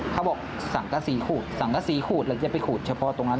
เขาบอกสังกษีขูดสังกษีขูดเราจะไปขูดเฉพาะตรงนั้น